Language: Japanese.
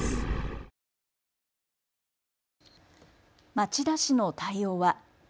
町田市の対応は。